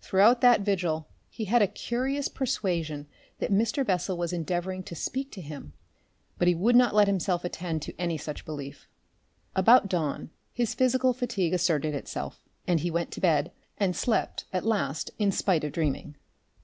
Throughout that vigil he had a curious persuasion that Mr. Bessel was endeavouring to speak to him, but he would not let himself attend to any such belief. About dawn, his physical fatigue asserted itself, and he went to bed and slept at last in spite of dreaming.